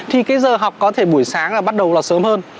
thì cái giờ học có thể buổi sáng là bắt đầu là sớm hơn